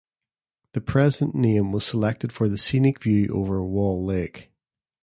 The present name was selected for the scenic view over Wall Lake.